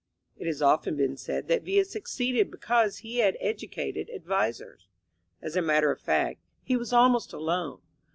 It has often been said that Villa succeeded because he had educated advisers. As a matter of fact, he was almost alone.